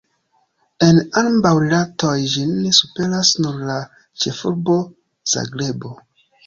En ambaŭ rilatoj ĝin superas nur la ĉefurbo Zagrebo.